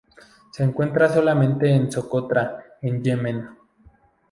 Se encuentra solamente en Socotra en Yemen.